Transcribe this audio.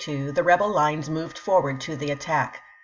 1862, the rebel lines moved forward to the attack.